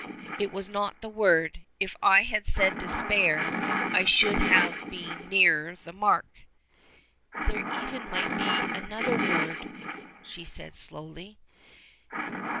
It was not the word. If I had said despair I should have been nearer the mark." "There might even be another word," said she slowly.